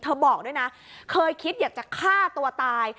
บอกด้วยนะเคยคิดอยากจะฆ่าตัวตาย